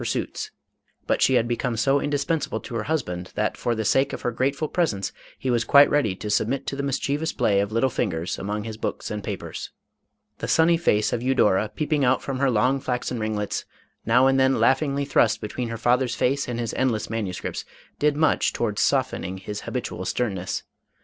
495 pursuits, but she had become so indispensable to her husband, that for the sake of her grateful presence he was quite ready to submit to the mischievous play of little fingers among his books and papers. The sunny face of Eudora peeping out from her long flaxen ring lets, now and then laughingly thrust between her fa ther's face and his endless manuscripts, did much towards softening his habitual sternness.